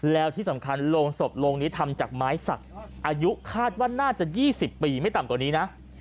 แล้วที่สำคัญโรงศพโรงนี้ทำจากไม้สักอายุคาดว่าน่าจะ๒๐ปีไม่ต่ำกว่านี้นะ